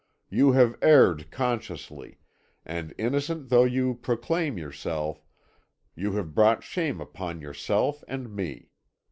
You have erred consciously, and innocent though you proclaim yourself, you have brought shame upon yourself and me.